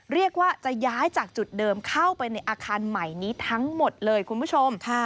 เรียกว่าจะย้ายจากจุดเดิมเข้าไปในอาคารใหม่นี้ทั้งหมดเลยคุณผู้ชม